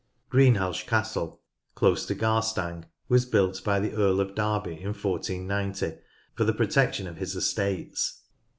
Greenhalgh Castle, close to Garstang, was built by the Earl of Derby in 1490 for the protection of his estates.